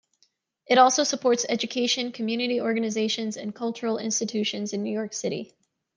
It also supports education, community organizations and cultural institutions in New York City.